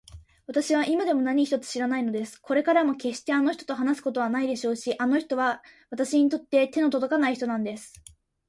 わたしは今でも何一つ知らないのです。これからもけっしてあの人と話すことはないでしょうし、あの人はわたしにとっては手のとどかない人なんです。